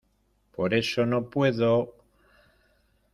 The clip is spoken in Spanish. por eso no puedo...